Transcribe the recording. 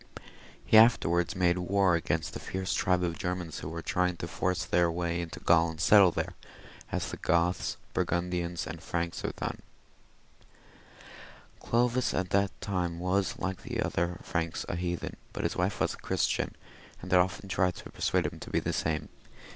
He afterwards made war against a fierce tribe of Germans who were trjdng to force their way into Gaul and settle there, as the Goths, Burgundians, and Franks had done. IV.] CONQUEST OF GAUL BY THE FRANKS, 17 Clovis at this time was, like the other Franks, a heathen, but his wife was a Christian, and had often tried to per suade him to be the same.